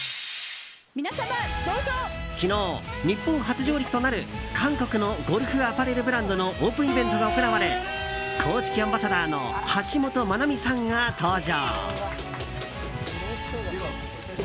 昨日、日本初上陸となる韓国のゴルフアパレルブランドのオープンイベントが行われ公式アンバサダーの橋本マナミさんが登場。